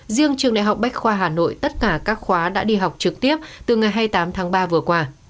riêng trường đại học bách khoa hà nội tất cả các khóa đã đi học trực tiếp từ ngày hai mươi tám tháng ba vừa qua